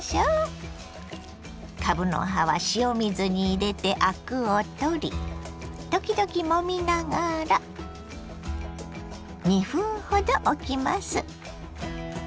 かぶの葉は塩水に入れてアクを取り時々もみながら２分ほどおきます。